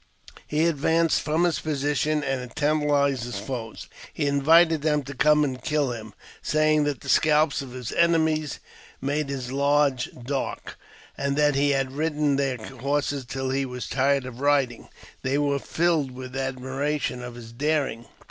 He advanced from his position and tantalized his foes. He invited them to come and kill him, saying that the seal; of his enemies made his lodge dark, and that he had ridde: their horses till he was tired of riding. They were filled wit admiration of his daring.